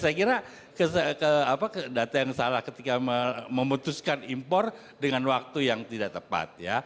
saya kira data yang salah ketika memutuskan impor dengan waktu yang tidak tepat